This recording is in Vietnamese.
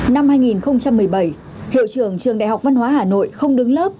năm hai nghìn một mươi bảy hiệu trưởng trường đại học văn hóa hà nội không đứng lớp